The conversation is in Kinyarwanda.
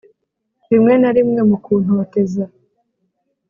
rimwe na rimwe, mu kuntoteza.